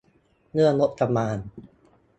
เรื่องงบประมาณ